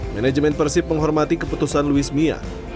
manajemen persib menghormati keputusan luis mia